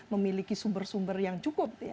memiliki sumber sumber yang cukup